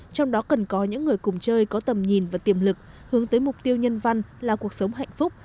trong đó cần có những người cùng chơi có tầm nhìn và tiềm lực hướng tới mục tiêu nhân văn là cuộc sống hạnh phúc